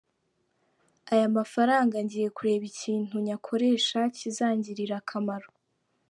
Aya mafaranga ngiye kureba ikintu nyakoresha kizangirira akamaro.